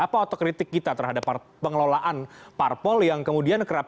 apa otokritik kita terhadap pengelolaan parpol yang kemudian kerap